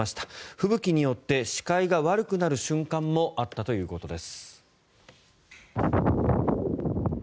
吹雪によって視界が悪くなる瞬間もあったということです。